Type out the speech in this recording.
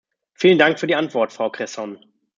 Vielen Dank für die Antwort, Frau Cresson.